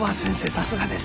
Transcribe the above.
さすがです。